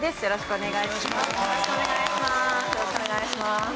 よろしくお願いします。